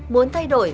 muốn thay đổi